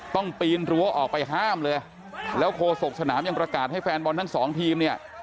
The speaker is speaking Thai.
ปีนรั้วออกไปห้ามเลยแล้วโคศกสนามยังประกาศให้แฟนบอลทั้งสองทีมเนี่ย